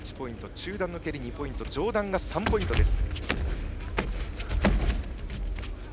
中段の蹴り、２ポイント上段が３ポイントです。